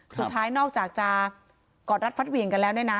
นอกจากจะกอดรัดฟัดเหวี่ยงกันแล้วเนี่ยนะ